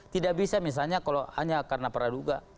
tidak bisa misalnya kalau hanya karena peraduga